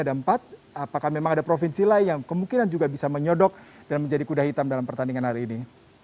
ada empat apakah memang ada provinsi lain yang kemungkinan juga bisa menyodok dan menjadi kuda hitam dalam pertandingan hari ini